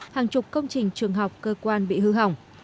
hàng chục công trình trường học cơ quan bị hư hỏng